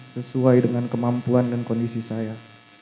sesuai dengan kemampuan dan kondisi saya